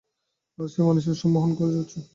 আর সে মানুষকে সম্মোহন করে যাচ্ছে!